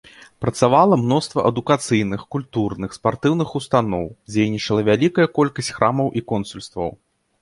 Працавала мноства адукацыйных, культурных, спартыўных устаноў, дзейнічала вялікая колькасць храмаў і консульстваў.